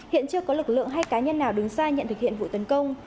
hiện chưa có lực lượng hay cá nhân nào đứng xa nhận thực hiện vụ tấn công